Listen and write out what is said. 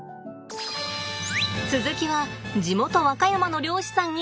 続きは地元和歌山の漁師さんにお聞きします。